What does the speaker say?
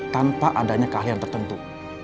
tanpa adanya keahlian tertentu